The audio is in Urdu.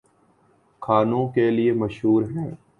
کھانوں کے لیے مشہور ہیں